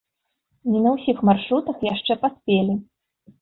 Не на ўсіх маршрутах яшчэ паспелі.